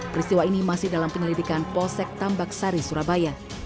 peristiwa ini masih dalam penelitikan posek tambak sari surabaya